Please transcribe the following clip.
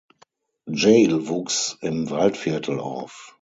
Jale wuchs im Waldviertel auf.